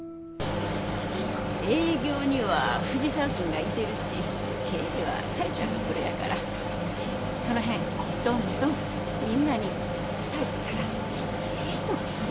営業には藤沢君がいてるし経理は紗江ちゃんがプロやからその辺どんどんみんなに頼ったらええと思うで。